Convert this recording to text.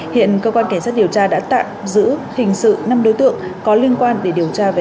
hiện công an kẻ sát điều tra đã tạm giữ hình sự năm đối tượng có liên quan để điều tra về